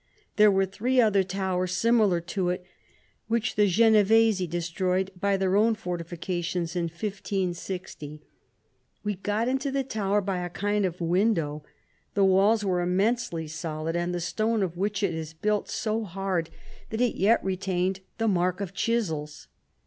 There were three other towers similar to it, w r hich the Genevese de stroyed for their own fortifications in 1560. We got into the tower by a kind of window. The walls are im ^ mensely solid, and the stone of which it is built so hard, that it yet retained 109 the mark of chisels.